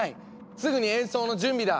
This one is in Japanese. すぐに演奏の準備だ！